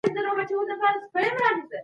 تاسي کله د پښتو مجلې لپاره مقاله ولیکله؟